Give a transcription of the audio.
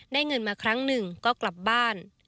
เงินมาครั้งหนึ่งก็กลับบ้าน